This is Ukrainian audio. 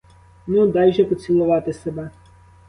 Ну, дай же поцілувати себе!